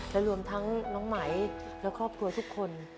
และรวมทั้งน้องไหมและครอบครัวทุกคน